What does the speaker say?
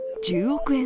１０億円